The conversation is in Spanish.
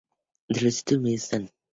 Entre los títulos de Midway están "Ms.